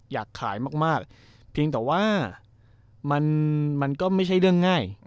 อยากขายมากเพียงแต่ว่ามันก็ไม่ใช่เรื่องง่าย